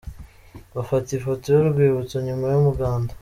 Bafata ifoto y' u rwibutso nyuma y'umuganda.